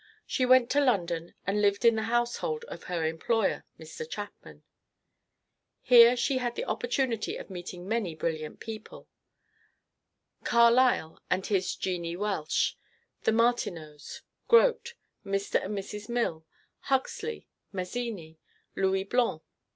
She went to London and lived in the household of her employer, Mr. Chapman. Here she had the opportunity of meeting many brilliant people: Carlyle and his "Jeannie Welsh," the Martineaus, Grote, Mr. and Mrs. Mill, Huxley, Mazzini, Louis Blanc.